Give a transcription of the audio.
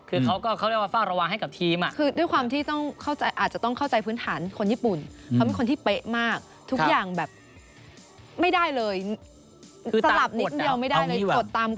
คือเขาก็เขาเรียกว่าฝ่าระวังให้กับทีมอ่ะคือด้วยความที่ต้องเข้าใจอาจจะต้องเข้าใจพื้นฐานคนญี่ปุ่นเขาเป็นคนที่เป๊ะมากทุกอย่างแบบไม่ได้เลยสลับนิดเดียวไม่ได้เลยกดตามกด